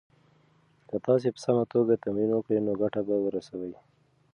که تاسي په سمه توګه تمرین وکړئ نو ګټه به ورسوي.